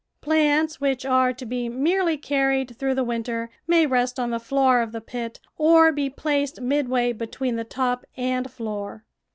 Plants which are to be merely carried through the winter may rest on the floor of the pit or be placed midway between the top and floor.